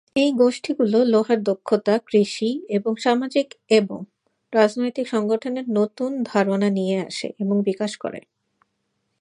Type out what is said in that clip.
এই গোষ্ঠীগুলি লোহার দক্ষতা, কৃষি এবং সামাজিক এবং রাজনৈতিক সংগঠনের নতুন ধারণা নিয়ে আসে এবং বিকাশ করে।